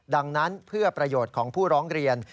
ดังนั้นเพื่อประโยชน์ของผู้ร้องเรียน